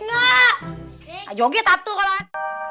nah joget satu kalau asik